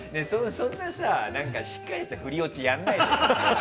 そんなしっかりしたフリ・オチやらないでよ。